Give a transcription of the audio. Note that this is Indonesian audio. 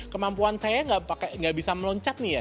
kemampuan saya enggak pakai enggak bisa meloncat nih ya